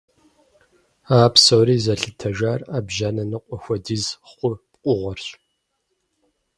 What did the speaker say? А псори зэлъытэжар Ӏэбжьанэ ныкъуэ хуэдиз хъу пкъыгъуэрщ.